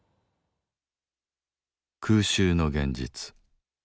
空襲の現実。